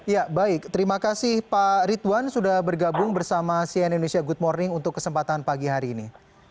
ya baik terima kasih pak ridwan sudah bergabung bersama cn indonesia good morning untuk kesempatan pagi hari ini